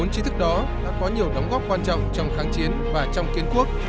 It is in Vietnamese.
bốn chi thức đó đã có nhiều đóng góp quan trọng trong kháng chiến và trong kiến quốc